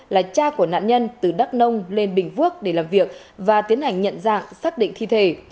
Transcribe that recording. là cha của nạn nhân từ đắk nông lên bình phước để làm việc và tiến hành nhận dạng xác định thi thể